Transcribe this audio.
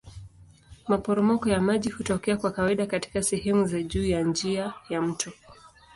Maporomoko ya maji hutokea kwa kawaida katika sehemu za juu ya njia ya mto.